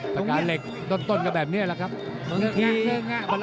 สการเหล็กต้นกับแบบนี้ล่ะครับ